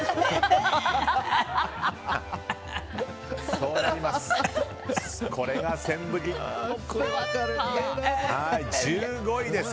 そうなります。